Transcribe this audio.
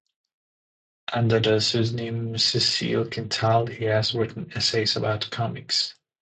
Under the pseudonym Cecile Quintal he has written essays about comics.